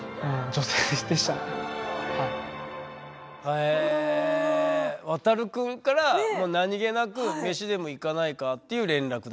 へえワタル君から何気なく「飯でも行かないか？」っていう連絡だったんだ。